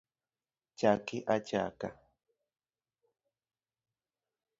Chaki achaka